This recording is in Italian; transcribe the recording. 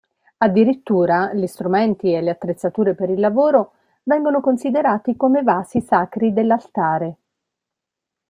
Addirittura, gli strumenti e le attrezzature per il lavoro vengono considerati come vasi sacri dell'altare.